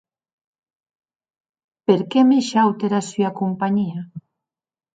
Perque me shaute era sua companhia?